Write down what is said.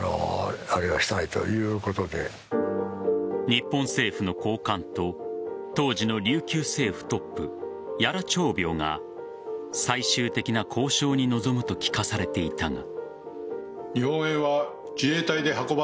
日本政府の高官と当時の琉球政府トップ屋良朝苗が最終的な交渉に臨むと聞かされていたが。